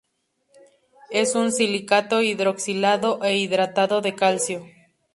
Es un silicato hidroxilado e hidratado de calcio.